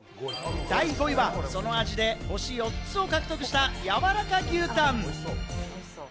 第５位は、その味で星４つを獲得した、やわらか牛たん。